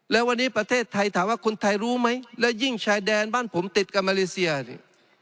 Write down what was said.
แล้ววันนี้ประเทศไทยถามว่าคนไทยรู้ไหมและยิ่งชายแดนบ้านผมติดกับมาเลเซียเนี่ย